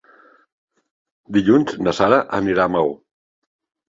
Dilluns na Sara anirà a Maó.